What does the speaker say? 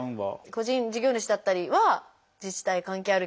個人事業主だったりは自治体が関係ある